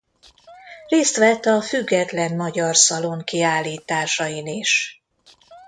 Részt vett a Független Magyar Szalon kiállításain is.